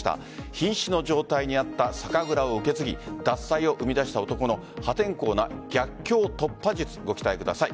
瀕死の状態にあった酒蔵を受け継ぎ獺祭を生み出した男の破天荒な逆境突破術ご期待ください。